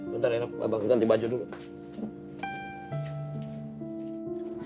bentar naf abang ganti baju dulu